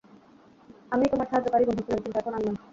আমিই তোমার সাহায্যকারী বন্ধু ছিলাম, কিন্তু এখন আর নই।